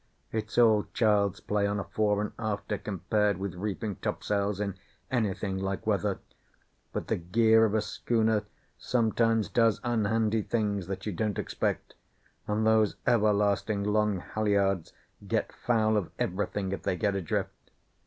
It's all child's play on a fore and after compared with reefing topsails in anything like weather, but the gear of a schooner sometimes does unhandy things that you don't expect, and those everlasting long halliards get foul of everything if they get adrift.